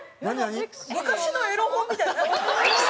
昔のエロ本みたいな。